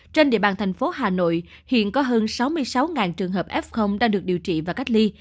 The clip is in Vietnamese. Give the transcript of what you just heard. trên địa bàn thành phố hà nội hiện có hơn sáu mươi sáu trường hợp f đang được điều trị và cách ly